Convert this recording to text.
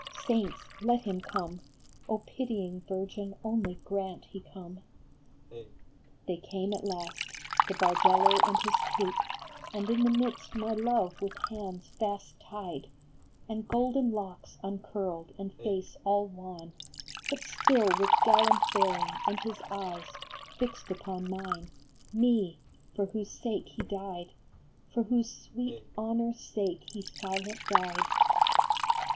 Saints, let him come ! pitying Virgin, only grant he come !" They came at last, the Bargello and his troop, And in the midst my love with hands fast tied, And golden locks uncurled and face all wan, But still with gallant bearing, and his eyes Fixed upon mine, me, for whose sake he died, For whose sweet honor s sake he silent died.